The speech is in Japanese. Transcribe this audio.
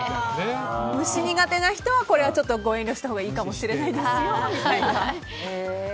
虫苦手な人はご遠慮したほうがいいかもしれないですよみたいな。